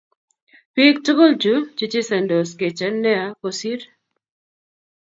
Bik tugul chu che chesondos kechen nea kosir